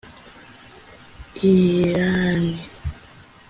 Irani